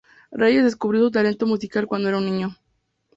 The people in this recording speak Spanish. Reyes descubrió su talento musical cuando era un niño.